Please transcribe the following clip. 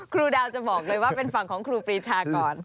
ครูดาวจะบอกเลยว่าเป็นฝั่งของครูปรีชาก่อน